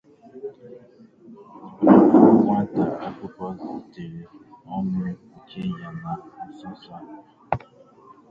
Ótù nwata akwụkwọ zùtèrè ọnwụ ike ya na nsonso a